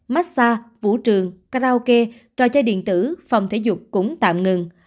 massage vũ trường karaoke trò chơi điện tử phòng thể dục cũng tạm ngừng